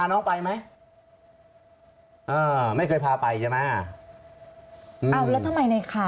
น้องตาแงรู้จักไหม